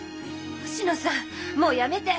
星野さんもうやめて！